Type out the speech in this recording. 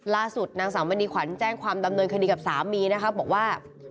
ล่าสุดนางสาวมณีขวัญแจ้งความดำเนินคดีกับสามีนะครับบอกว่า